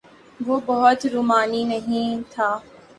وہ بہت رومانی نہیں تھا۔